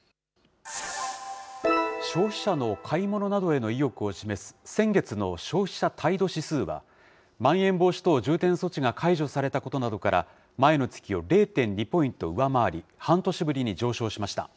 消費者の買い物などへの意欲を示す先月の消費者態度指数は、まん延防止等重点措置が解除されたことなどから、前の月を０．２ポイント上回り、半年ぶりに上昇しました。